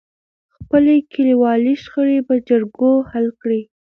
خپلې کليوالې شخړې په جرګو حل کړئ.